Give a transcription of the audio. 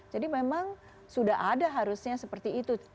jadi memang sudah ada harusnya seperti itu